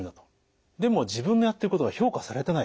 でも自分のやってることが評価されてない。